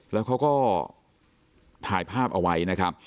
แล้วเขาก็ถ่ายภาพเอาไว้